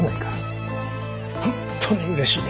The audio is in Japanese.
本当にうれしい。